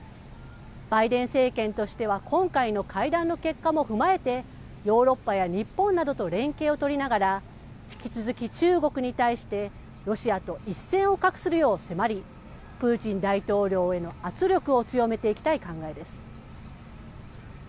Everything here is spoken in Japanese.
バイデン政権としては、今回の会談の結果も踏まえて、ヨーロッパや日本などと連携を取りながら、引き続き、中国に対して、ロシアと一線を画するよう迫り、プーチン大統領への圧力を強めていきたい考えです。